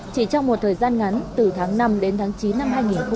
chỉ trong một thời gian ngắn từ tháng năm đến tháng chín năm hai nghìn một mươi chín